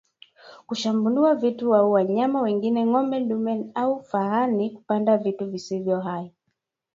Kushambulia vitu au wanyama wengine ng'ombe dume au fahali kupanda vitu visivyo hai